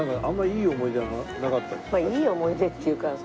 いい思い出っていうか